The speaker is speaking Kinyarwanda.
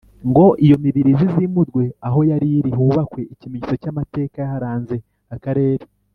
ngo iyo mibiri izimurwe aho yari iri hubakwe Ikimenyetso cy amateka yaharanze Akarere